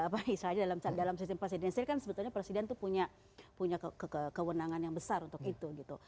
misalnya dalam sistem presidensial kan sebenarnya presiden itu punya kewenangan yang besar untuk itu